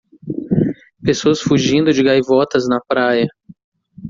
Pessoas fugindo de gaivotas na praia.